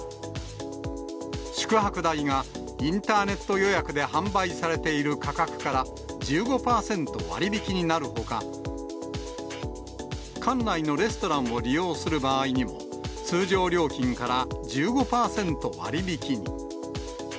宿泊代がインターネット予約で販売されている価格から１５％割引きになるほか、館内のレストランを利用する場合にも、通常料金から１５％割引きに。